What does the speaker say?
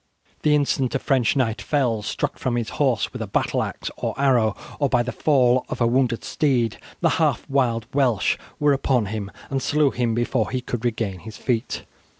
The instant a French knight fell, struck from his horse with a battle axe or arrow, or by the fall of a wounded steed, the half wild Welsh were upon him, and slew him before he could regain his feet.